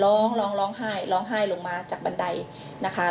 ร้องร้องร้องไห้ร้องไห้ลงมาจากบันไดนะคะ